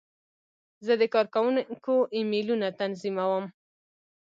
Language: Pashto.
زه د کارکوونکو ایمیلونه تنظیموم.